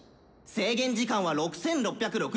「制限時間は６６６６分」。